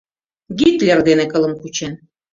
Гитлер дене кылым кучен.